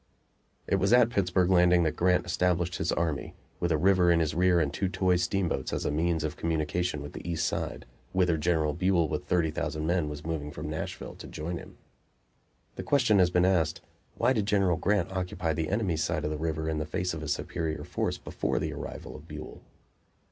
It was at Pittsburg Landing that Grant established his army, with a river in his rear and two toy steamboats as a means of communication with the east side, whither General Buell with thirty thousand men was moving from Nashville to join him. The question has been asked, Why did General Grant occupy the enemy's side of the river in the face of a superior force before the arrival of Buell?